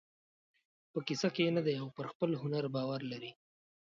په کیسه کې یې نه دی او پر خپل هنر باور لري.